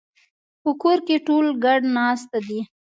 په کور کې ټول ګډ ناست دي